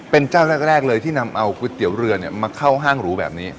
เป็นเจ้าแรกเลยที่นำเอาก๋วยเตี๋ยวเรือมาเข้าห้างหรูแบบนี้